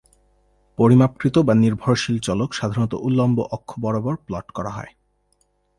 পরিমাপকৃত বা নির্ভরশীল চলক সাধারণত উল্লম্ব অক্ষ বরাবর প্লট করা হয়।